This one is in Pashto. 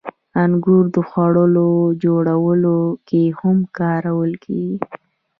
• انګور د خوږو جوړولو کې هم کارول کېږي.